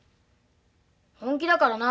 本気だからな。